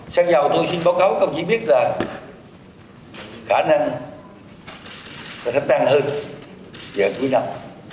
sang giàu tôi xin báo cáo công chí biết là khả năng sẽ tăng hơn giờ cuối năm